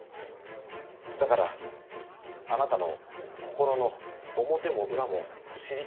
だからあなたの心の表も裏も知りたいんです。